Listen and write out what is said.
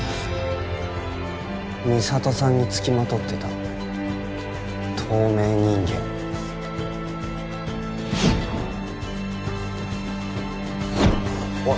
美里さんにつきまとってた透明人間おい？